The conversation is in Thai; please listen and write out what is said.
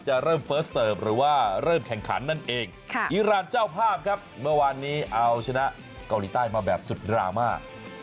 เริ่มเฟิร์สเสิร์ฟหรือว่าเริ่มแข่งขันนั่นเองอีรานเจ้าภาพครับเมื่อวานนี้เอาชนะเกาหลีใต้มาแบบสุดดราม่า